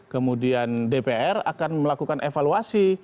kemudian dpr akan melakukan evaluasi